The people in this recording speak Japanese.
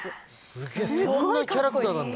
すげぇそんなキャラクターなんだ。